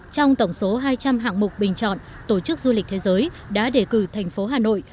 trong tổng số hai trăm linh hạng mục bình chọn tổ chức du lịch thế giới đã đề cử thành phố hà nội